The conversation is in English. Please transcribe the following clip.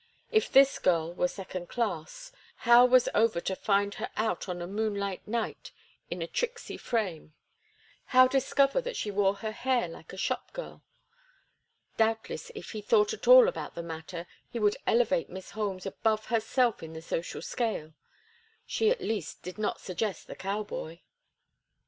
If this girl were second class, how was Over to find her out on a moonlight night in a tricksy frame, how discover that she wore her hair like a shop girl? Doubtless, if he thought at all about the matter, he would elevate Miss Holmes above herself in the social scale. She at least did not suggest the cow boy.